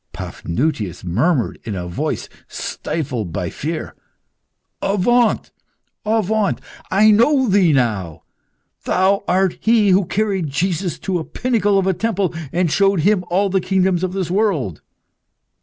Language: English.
Paphnutius murmured, in a voice stifled by fear "Avaunt, avaunt! I know thee now; thou art he who carried Jesus to a pinnacle of the temple, and showed him all the kingdoms of this world."